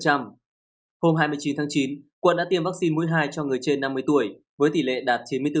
hôm hai mươi chín tháng chín quận đã tiêm vaccine mũi hai cho người trên năm mươi tuổi với tỷ lệ đạt chín mươi bốn